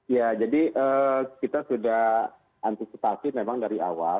ya jadi kita sudah antisipasi memang dari awal